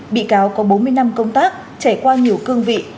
bị cáo có bốn mươi năm công tác trải qua nhiều cương vị